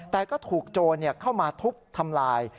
แต่ก็ถูกโจรเข้ามาทุบทำลาย